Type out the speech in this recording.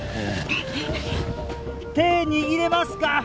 手握れますか？